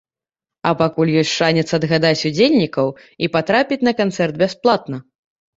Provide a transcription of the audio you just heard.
А пакуль ёсць шанец адгадаць удзельнікаў і патрапіць на канцэрт бясплатна.